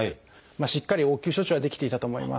しっかり応急処置はできていたと思います。